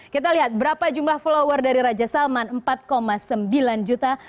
kita lihat berapa jumlah follower dari raja salman empat sembilan juta